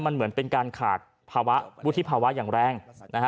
มันเหมือนเป็นการขาดภาวะวุฒิภาวะอย่างแรงนะฮะ